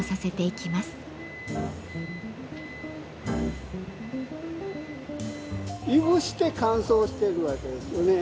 いぶして乾燥してるわけですよね。